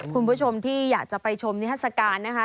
คุณผู้ชมที่อยากจะไปชมนิทัศกาลนะคะ